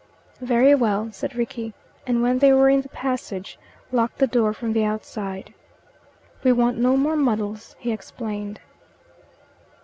"Very well," said Rickie, and when they were in the passage, locked the door from the outside. "We want no more muddles," he explained.